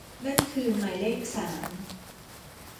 นั่นคือหมายเลขสาม